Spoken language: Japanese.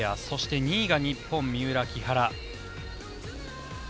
そして２位が日本三浦・木原。